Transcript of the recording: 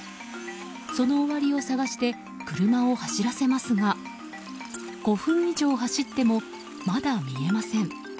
その終わりを探して車を走らせますが５分以上走ってもまだ見えません。